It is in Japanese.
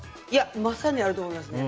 まさにあると思いますね。